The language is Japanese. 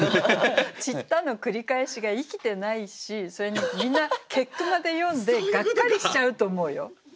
「散った」の繰り返しが生きてないしそれにみんな結句まで読んでがっかりしちゃうと思うよ。